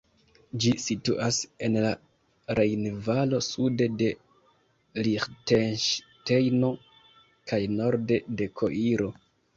Ĝi situas en la Rejnvalo sude de Liĥtenŝtejno kaj norde de Koiro.